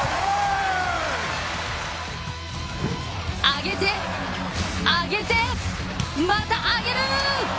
上げて、上げてまた、上げる。